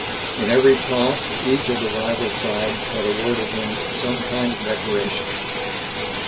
In every toss, each of the rival sides had awarded him some kind of decoration.